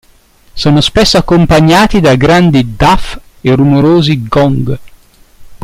Sono spesso accompagnati da grandi daf e rumorosi gong.